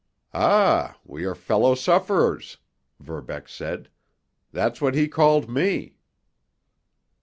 "Ah! We are fellow sufferers," Verbeck said. "That's what he called me."